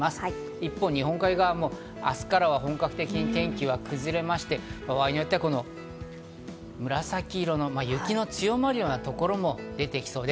一方、日本海側も明日から本格的に天気は崩れまして、場合によっては紫色、雪の強まるようなところも出てきそうです。